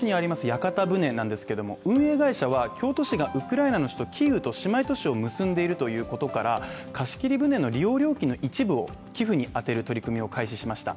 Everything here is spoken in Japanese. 屋形船なんですけれども運営会社は京都市がウクライナの首都キーウと姉妹都市を結んでいるということから貸し切り船の利用料金の一部を寄付に充てる取り組みを開始しました。